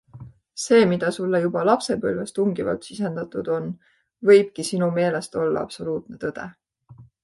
See, mida sulle juba lapsepõlves tungivalt sisendatud on, võibki sinu meelest olla absoluutne tõde.